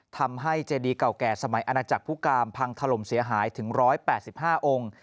ทำให้เจดีเก่าแก่สมัยอาณาจักรผู้กามพังถล่มเสียหายถึง๑๘๕องค์